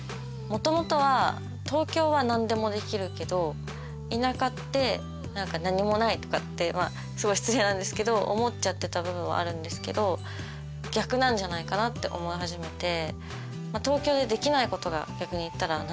もともとは東京は何でもできるけど田舎って何か何もないとかってすごい失礼なんですけど思っちゃってた部分はあるんですけど逆なんじゃないかなって思い始めて。